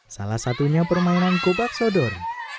salah satunya permainan kubak sodor